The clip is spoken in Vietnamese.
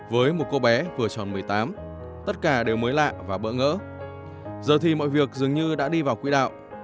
với một cô bé vừa tròn một mươi tám tất cả đều mới lạ và bỡ ngỡ giờ thì mọi việc dường như đã đi vào quỹ đạo